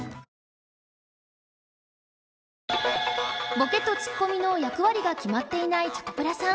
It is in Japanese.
ボケとツッコミの役割が決まっていないチョコプラさん